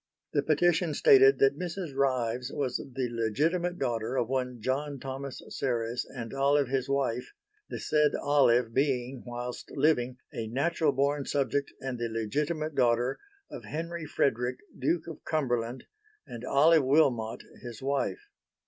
The petition stated that Mrs. Ryves was the legitimate daughter of one John Thomas Serres and Olive his wife, the said Olive being, whilst living, a natural born subject and the legitimate daughter of Henry Frederick, Duke of Cumberland and Olive Wilmot, his wife.